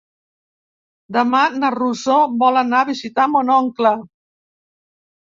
Demà na Rosó vol anar a visitar mon oncle.